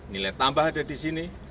nilai tambah ada di sini